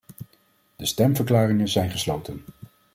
De stemverklaringen zijn gesloten.